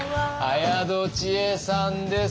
綾戸智恵さんです。